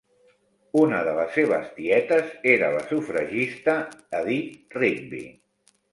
Una de les seves tietes era la sufragista Edith Rigby.